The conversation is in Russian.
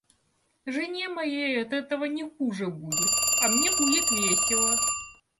Жене моей от этого не хуже будет, а мне будет весело.